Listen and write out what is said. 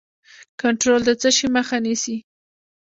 کنټرول د څه شي مخه نیسي؟